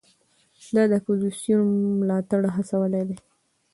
ده د اپوزېسیون ملاتړ هڅولی دی.